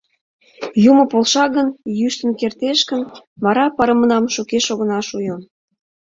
Юмо полша гын, йӱштын кертеш гын, вара парымнам шукеш огына шуйо.